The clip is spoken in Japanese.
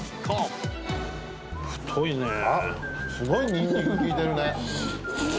塙：あっ、すごいニンニク利いてるね。